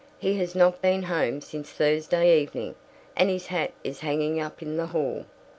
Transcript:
He has not been home since Thursday evening, and his hat is hanging up in the hall."